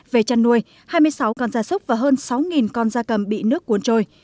về chăn nuôi hai mươi sáu con da súc và hơn sáu con da cầm bị nước cuốn trôi